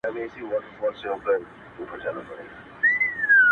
o غواړم د پېړۍ لپاره مست جام د نشیې ،